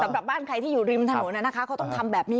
บ้านใครที่อยู่ริมถนนนะคะเขาต้องทำแบบนี้